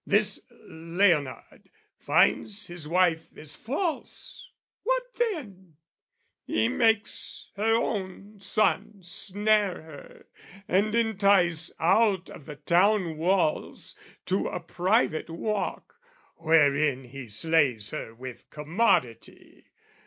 This Leonard finds his wife is false: what then? He makes her own son snare her, and entice Out of the town walls to a private walk, Wherein he slays her with commodity.